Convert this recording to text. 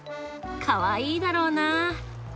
かわいいだろうな。